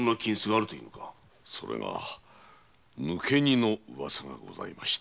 それが抜け荷のウワサがございまして。